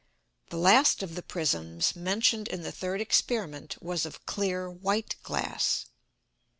The last of the Prisms mentioned in the third Experiment was of clear white Glass.